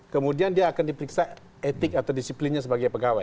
kemudian dia akan diperiksa etik atau disiplinnya sebagai pegawai